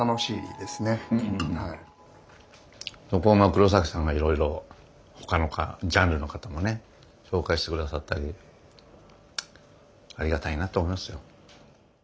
黒崎さんがいろいろ他のジャンルの方もね紹介して下さったりありがたいなと思いますよ。